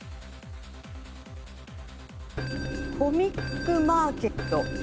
コミックマーケット。